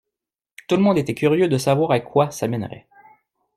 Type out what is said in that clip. Tout le monde était curieux de savoir à quoi ça mènerait.